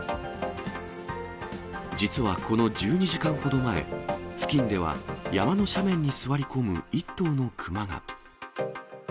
実はこの１２時間ほど前、付近では山の斜面に座り込む１頭のクマが。